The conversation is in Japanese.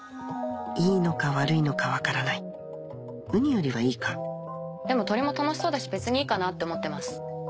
いいのか悪いのか分からないウニよりはいいかでも鳥も楽しそうだし別にいいかなって思ってます。